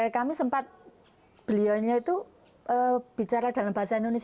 kami sempat beliaunya itu bicara dalam bahasa indonesia